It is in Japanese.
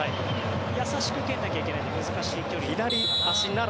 優しく蹴らなきゃいけないので難しい距離かな。